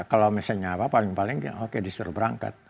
kalau misalnya apa paling paling oke disuruh berangkat